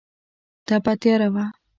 تپه تیاره وه.